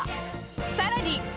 さらに。